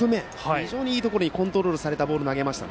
非常にいいところにコントロールされたボールを投げました。